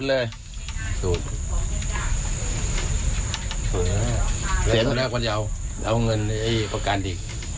เอาเงินให้ประกันดิ